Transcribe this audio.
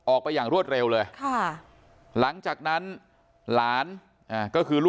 ออกไปอย่างรวดเร็วเลยค่ะหลังจากนั้นหลานก็คือลูก